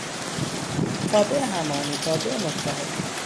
تابع همانی، تابع متحد